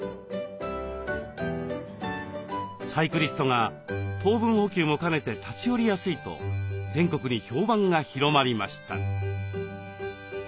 サイクリストが糖分補給も兼ねて立ち寄りやすいと全国に評判が広まりました。